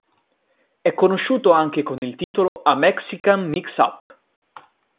È conosciuto anche con il titolo "A Mexican Mix-Up".